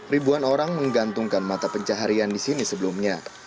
ribuan orang menggantungkan mata pencaharian di sini sebelumnya